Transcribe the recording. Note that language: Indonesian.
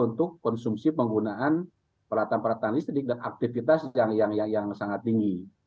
untuk konsumsi penggunaan peralatan peralatan listrik dan aktivitas yang sangat tinggi